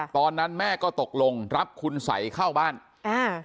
ตอนนั้นแม่ก็ตกลงรับคุณสัยเข้าบ้านอ่า